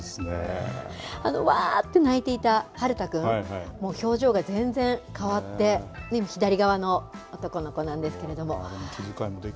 あの、わって泣いていた遥太君表情が全然変わって左側の男の子なんですけれども。